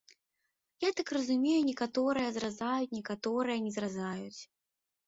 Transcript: Я так разумею, некаторыя зразаюць, некаторыя не зразаюць.